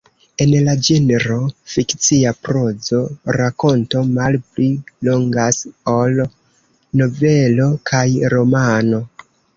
En la ĝenro fikcia prozo, rakonto malpli longas ol novelo kaj romano.